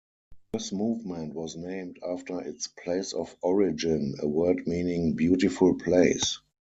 This movement was named after its place of origin, a word meaning "Beautiful Place".